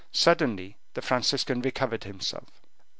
Suddenly the Franciscan recovered himself.